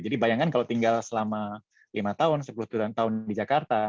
jadi bayangkan kalau tinggal selama lima tahun sepuluh tujuhan tahun di jakarta